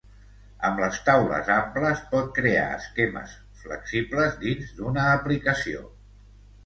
Amb les taules amples, pot crear esquemes flexibles dins d'una aplicació.